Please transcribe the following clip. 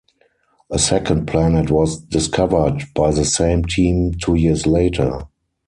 A second planet was discovered by the same team two years later.